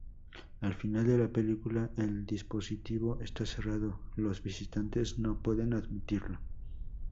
Al final de la película, el dispositivo está cerrado, los visitantes no pueden admitirlo.